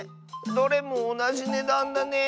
どれもおなじねだんだね。